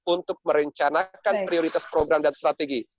untuk merencanakan prioritas program dan strategi